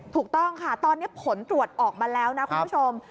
ถูกต้องค่ะตอนนี้ผลตรวจออกมาแล้วนะคุณผู้ชม